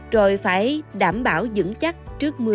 rồi phải đảm bảo dững chắc trước mùa